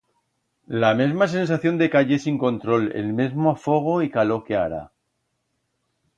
La mesma sensación de cayer sin control, el mesmo afogo y calor que ara.